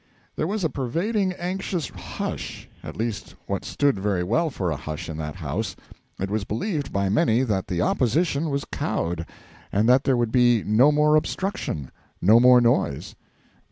There was a pervading, anxious hush at least what stood very well for a hush in that House. It was believed by many that the Opposition was cowed, and that there would be no more obstruction, no more noise.